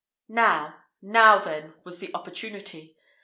Now, now then was the opportunity.